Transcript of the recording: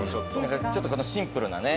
ちょっとこのシンプルなね。